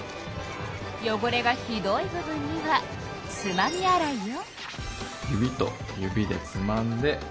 よごれがひどい部分にはつまみ洗いよ。